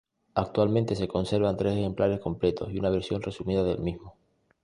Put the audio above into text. Actualmente se conservan tres ejemplares completos y una versión resumida del mismo.